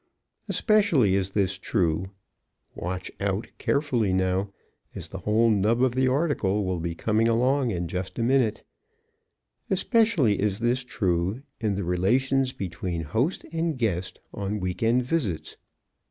Especially is this true, (watch out carefully now, as the whole nub of the article will be coming along in just a minute), especially is this true in the relations between host and guest on week end visits.